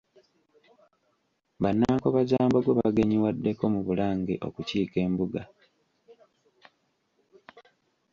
Bannankobazambogo bagenyiwaddeko mu Bulange okukiika embuga.